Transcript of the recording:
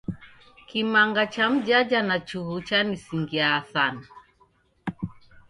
Kimanga cha mjaja na chughu chanisingiaa sana.